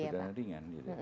iya tindak bidana ringan